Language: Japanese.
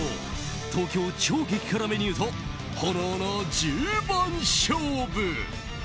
東京超激辛メニューと炎の十番勝負。